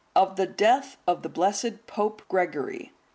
Of the death of the blessed Pope Gregory.